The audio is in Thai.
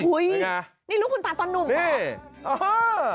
อุ๊ยนี่ลูกขุนตาตอนหนุ่มหรอนี่โอ้โฮ